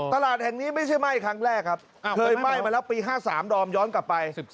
ตลาดแห่งนี้ไม่ใช่ไหม้ครั้งแรกครับเคยไหม้มาแล้วปี๕๓ดอมย้อนกลับไป